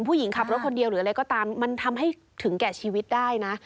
ผู้หญิงขับรถคนเดียวหรืออะไรก็ตามมันทำให้ถึงแก่ชีวิตได้นะ